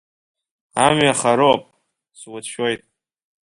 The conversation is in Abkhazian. Амҩа хароуп, суцәшәоит.